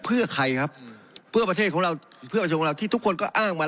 เพื่อใครครับเพื่อประเทศของเราเพื่อประชุมของเราที่ทุกคนก็อ้างมา